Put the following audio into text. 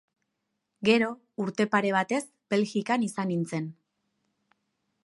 Gero, urte pare batez Belgikan izan nintzen.